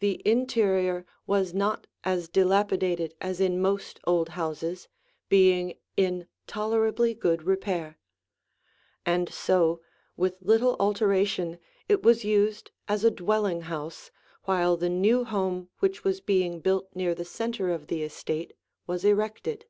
The interior was not as dilapidated as in most old houses, being in tolerably good repair. And so, with little alteration, it was used as a dwelling house, while the new home which was being built near the center of the estate was erected.